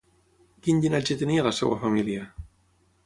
Quin llinatge tenia la seva família?